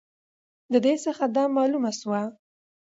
د دې څخه دا معلومه سوه